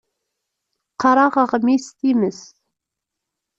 Qqaṛeɣ aɣmis "Times".